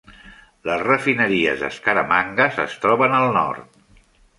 Les refineries de Skaramangas es troben al nord.